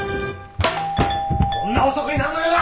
こんな遅くに何の用だ！？